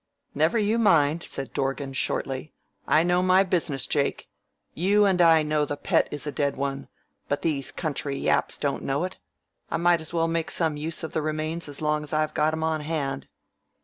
"Never you mind," said Dorgan shortly. "I know my business, Jake. You and I know the Pet is a dead one, but these country yaps don't know it. I might as well make some use of the remains as long as I've got 'em on hand."